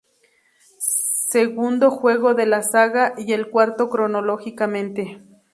Segundo juego de la saga y el cuarto cronológicamente.